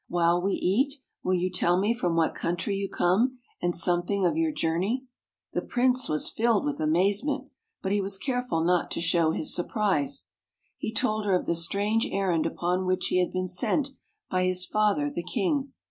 While we eat, will you tell me from what country you come, and something of your journey? " The Prince was filled with amazement but he was careful not to show his surprise. He told her of the strange errand upon which he had been sent by his father, the King.